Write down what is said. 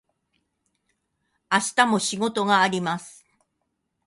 明日も仕事があります。